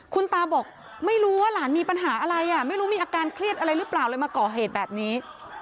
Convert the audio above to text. คุณตาบอกไม่รู้ว่าหลานมีปัญหาอะไรไม่รู้มีอาการเครียดอะไรหรือเปล่าเลยมาก่อเหตุแบบนี้